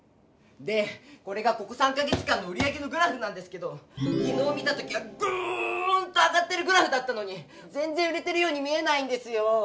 でこれがここ３か月間の売り上げのグラフなんですけどきのう見た時はグーンと上がってるグラフだったのにぜんぜん売れてるように見えないんですよ！